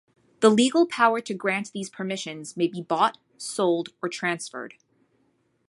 The legal power to grant these permissions may be bought, sold or transferred.